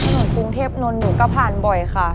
กรุงเทพนนท์หนูก็ผ่านบ่อยค่ะ